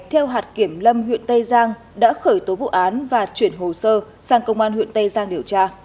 theo hạt kiểm lâm huyện tây giang đã khởi tố vụ án và chuyển hồ sơ sang công an huyện tây giang điều tra